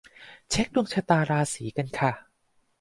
เช็กดวงชะตาราศีกันค่ะ